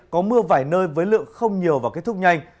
có mưa vài nơi với lượng không nhiều và kết thúc nhanh